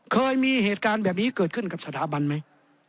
เคยมีเหตุการณ์แบบนี้เกิดขึ้นกับสถาบันไหม